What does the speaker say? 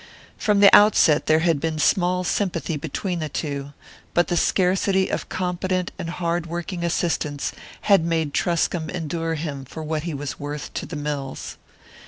From the outset there had been small sympathy between the two; but the scarcity of competent and hard working assistants had made Truscomb endure him for what he was worth to the mills.